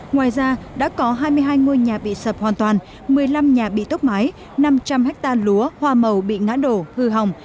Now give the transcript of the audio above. ngoài ra đã có hai mươi hai ngôi nhà bị sập hoàn toàn một mươi năm nhà bị tốc mái năm trăm linh hectare lúa hoa màu bị ngã đổ hư hỏng